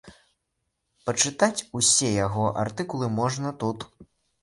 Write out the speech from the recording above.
Пачытаць усе яго артыкулы можна тут.